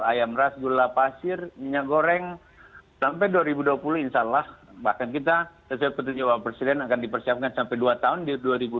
ayam ras gula pasir minyak goreng sampai dua ribu dua puluh insya allah bahkan kita sesuai petunjuk bapak presiden akan dipersiapkan sampai dua tahun di dua ribu dua puluh